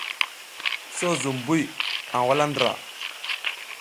So zum buy a wuzla ndra.